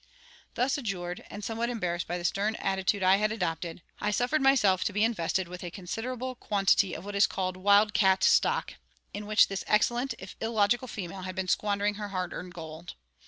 Thus adjured, and somewhat embarrassed by the stern attitude I had adopted, I suffered myself to be invested with a considerable quantity of what is called wild cat stock, in which this excellent if illogical female had been squandering her hard earned gold.